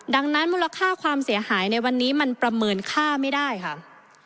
ดังนั้นมูลค่าความเสียหายในวันนี้มันประเมินค่าไม่ได้ค่ะ